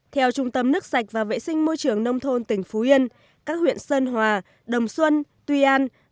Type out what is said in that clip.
theo trung tâm nước sạch và vệ sinh môi trường nông thôn tỉnh phú yên các huyện sơn hòa đồng xuân tuy an